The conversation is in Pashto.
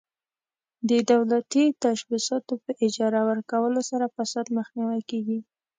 د دولتي تشبثاتو په اجاره ورکولو سره فساد مخنیوی کیږي.